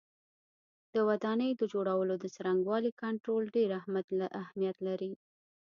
د ودانیو د جوړولو د څرنګوالي کنټرول ډېر اهمیت لري.